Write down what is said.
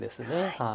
はい。